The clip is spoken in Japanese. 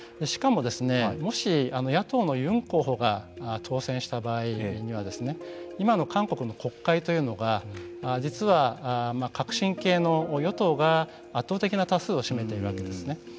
しかも、もし野党のユン候補が当選した場合には今の韓国の国会というのが実は革新系の与党が圧倒的な多数を占めているわけですよね。